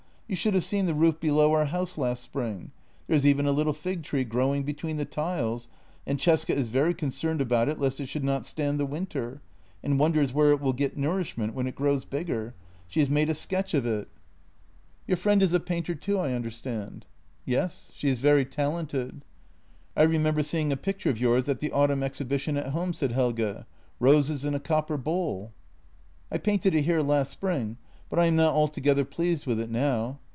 You should have seen the roof below our house last spring. There is even a little fig tree grow ing between the tiles, and Cesca is very concerned about it lest it should not stand the winter, and wonders where it will get nourishment when it grows bigger. She has made a sketch of it." JENNY 38 " Your friend is a painter, too, I understand? "" Yes — she is very talented." " I remember seeing a picture of yours at the autumn ex hibition at home," said Helge. " Roses in a copper bowl." " I painted it here last spring, but I am not altogether pleased with it now.